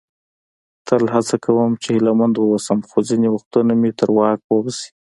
تل هڅه کوم چې هیله مند واوسم، خو ځینې وختونه مې تر واک ووزي.